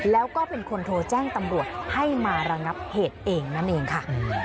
แล้วก็เป็นคนโทรแจ้งตำรวจให้มาระงับเหตุเองนั่นเองค่ะ